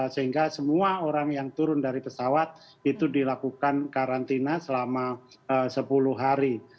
sehingga semua orang yang turun dari pesawat itu dilakukan karantina selama sepuluh hari